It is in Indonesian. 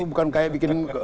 bukan kayak bikin